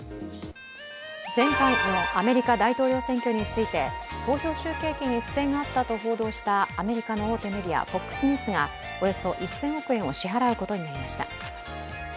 前回のアメリカ大統領選挙について投票集計機に不正があったと報道したアメリカの大手メディアＦＯＸニュースがおよそ１０００億円を支払うことになりました。